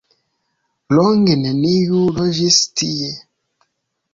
Longe neniu loĝis tie.